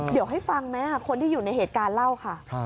เดี๋ยวให้ฟังไหมคนที่อยู่ในเหตุการณ์เล่าค่ะ